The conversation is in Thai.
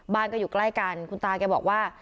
บ้านก็อยู่ใกล้กันคุณตาแกบอกว่า